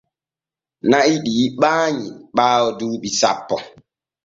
Na’i ɗi ɓaanyi ɓaawo duuɓi sappo.